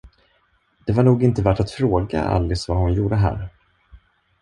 Det var nog inte värt att fråga Alice vad hon gjorde här.